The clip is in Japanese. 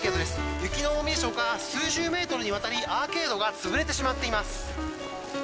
雪の重みでしょうか数十メートルにわたりアーケードが潰れてしまっています。